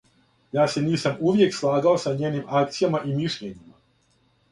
Ја се нисам увијек слагао са њеним акцијама и мишљењима.